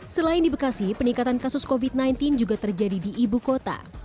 selain di bekasi peningkatan kasus covid sembilan belas juga terjadi di ibu kota